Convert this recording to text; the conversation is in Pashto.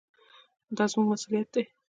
دا زموږ مسوولیت دی.